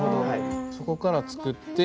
そこから作って。